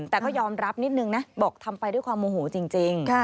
แต่ก็ยอมรับนิดนึงนะบอกทำไปด้วยความโมโหจริง